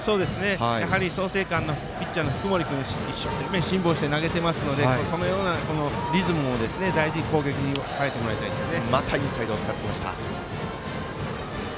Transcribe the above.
やはり創成館の福盛君、一生懸命辛抱して投げてますのでそのようなリズムを大事に攻撃に変えてもらいたいですね。